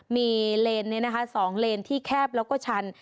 มีเลนส์นี้นะคะสองเลนส์ที่แคบแล้วก็ชัน